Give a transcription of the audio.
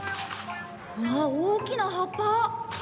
うわ大きな葉っぱ！